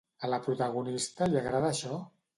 A la protagonista li agrada això?